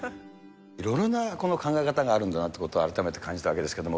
いろいろな考え方があるんだなということを改めて感じたわけですけれども。